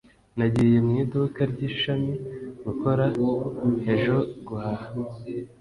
nagiye mu iduka ry'ishami gukora ejo guhaha